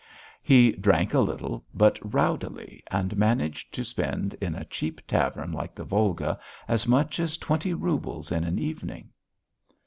He drank a little, but rowdily, and managed to spend in a cheap tavern like the Volga as much as twenty roubles in an evening.